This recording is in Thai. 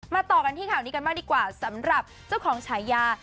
ต่อกันที่ข่าวนี้กันบ้างดีกว่าสำหรับเจ้าของฉายา